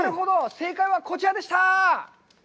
正解はこちらでした。